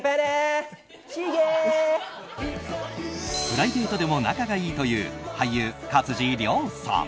プライベートでも仲がいいという俳優・勝地涼さん。